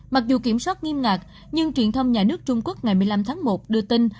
mặc dù kiểm soát nghiêm ngặt nhưng truyền thông nhà nước trung quốc ngày một mươi năm tháng một đưa tin